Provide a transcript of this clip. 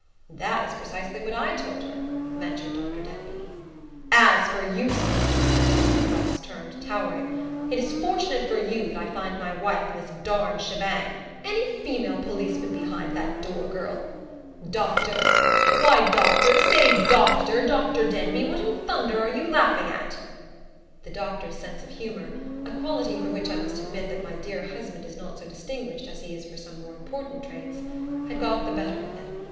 "That is precisely what I told her," ventured Dr. Denbigh. "As for you, sir!" Tom Price turned, towering. "It is fortunate for YOU that I find my wife in this darned shebang. Any female policeman behind that door girl? Doctor? Why, Doctor! Say, DOCTOR! Dr. Denbigh! What in thunder are you laughing at?" The doctor's sense of humor (a quality for which I must admit my dear husband is not so distinguished as he is for some more important traits) had got the better of him.